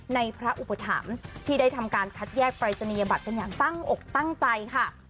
ในพระอุปถัมภ์ที่ได้ทำการคัดแยกปรายศนียบัตรกันอย่างตั้งอกตั้งใจค่ะ